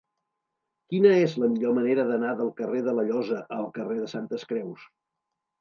Quina és la millor manera d'anar del carrer de la Llosa al carrer de Santes Creus?